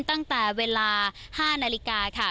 ตั้งแต่เวลา๕นาฬิกาค่ะ